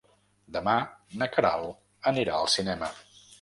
Demà na Queralt anirà al cinema.